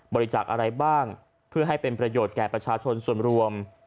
บริจาคอะไรบ้างเพื่อให้เป็นประโยชน์แก่ประชาชนส่วนรวม